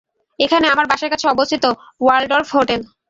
এখানে আমার বাসার কাছে অবস্থিত ওয়ালডর্ফ হোটেল।